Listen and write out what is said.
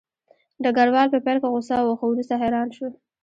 ډګروال په پیل کې غوسه و خو وروسته حیران شو